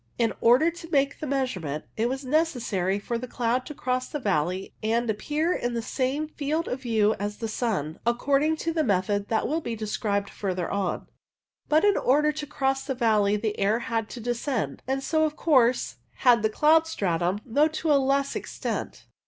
In order to make the measurement, it was necessary for the cloud to cross the valley and appear in the same field of view as the sun, according to the method that will be described further on. But in order to cross the valley the air had to descend, and so, of course, had the cloud stratum, though to a less extent.